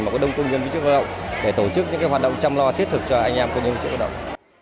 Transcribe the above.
mà có đông công nhân viên chức lao động để tổ chức những hoạt động chăm lo thiết thực cho anh em công nhân lao động